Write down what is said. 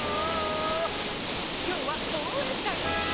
きょうはおうえんだん！